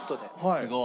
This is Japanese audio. すごい。